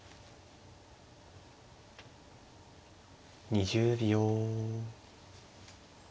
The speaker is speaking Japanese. ２０秒。